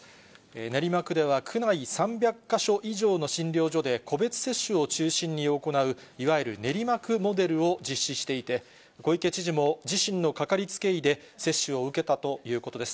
練馬区では区内３００か所以上の診療所で、個別接種を中心に行う、いわゆる練馬区モデルを実施していて、小池知事も自身の掛かりつけ医で、接種を受けたということです。